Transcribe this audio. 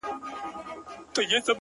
زه د لاسونو د دعا له دايرې وتلی’